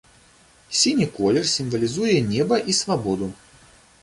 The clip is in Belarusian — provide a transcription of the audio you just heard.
Сіні колер сімвалізуе неба і свабоду.